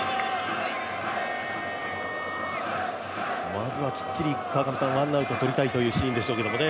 まずはきっちりワンアウトとりたいという場面でしょうけどね。